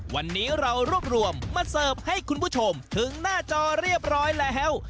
วันนี้เรารวบรวมมาเสิร์ฟให้คุณผู้ชมถึงหน้าจอเรียบร้อยแล้ว